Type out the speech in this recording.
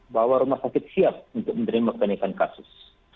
bahwa rumah sakit siap untuk menerima peningkatan kasus